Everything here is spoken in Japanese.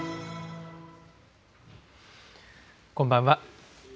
こんばんは。